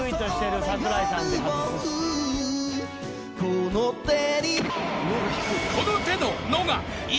［「この手」の］